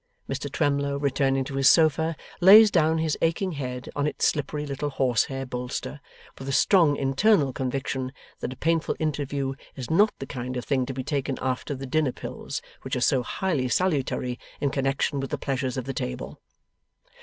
Mr Twemlow returning to his sofa, lays down his aching head on its slippery little horsehair bolster, with a strong internal conviction that a painful interview is not the kind of thing to be taken after the dinner pills which are so highly salutary in connexion with the pleasures of the table.